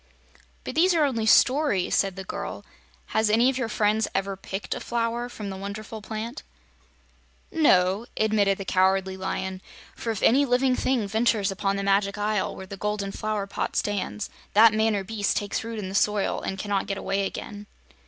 "But these are only stories," said the girl. "Has any of your friends ever picked a flower from the wonderful plant?" "No," admitted the Cowardly Lion, "for if any living thing ventures upon the Magic Isle, where the golden flower pot stands, that man or beast takes root in the soil and cannot get away again."